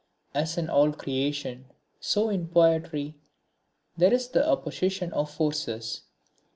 As in all creation, so in poetry, there is the opposition of forces.